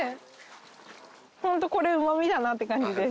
本当これうまみだなって感じです。